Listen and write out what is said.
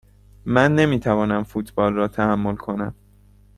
من نمی توانم فوتبال را تحمل کنم.